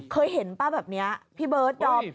เคยเห็นป่ะแบบนี้พี่เบิร์ดดอม